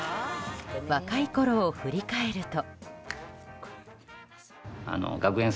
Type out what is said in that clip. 若いころを振り返ると。